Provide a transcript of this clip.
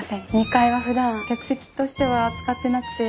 ２階はふだん客席としては使ってなくて。